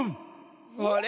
あれ？